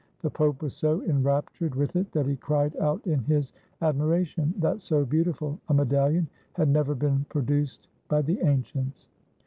The Pope was so enraptured with it that he cried out in his admiration, that so beautiful a medalUon had never been produced by the ancients.